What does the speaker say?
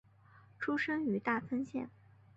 出身于大分县。